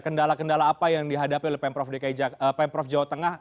kendala kendala apa yang dihadapi oleh pemprov jawa tengah